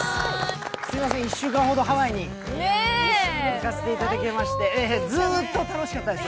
すみません、１週間ほどハワイに行かせてもらいましてずーっと楽しかったです。